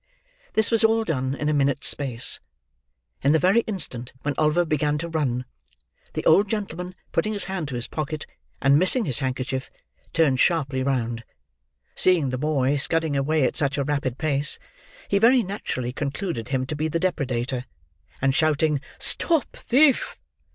This was all done in a minute's space. In the very instant when Oliver began to run, the old gentleman, putting his hand to his pocket, and missing his handkerchief, turned sharp round. Seeing the boy scudding away at such a rapid pace, he very naturally concluded him to be the depredator; and shouting "Stop thief!"